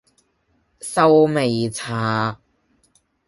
壽眉茶